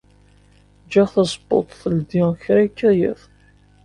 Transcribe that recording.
Ǧǧiɣ tazewwut teldi kra yekka yiḍ.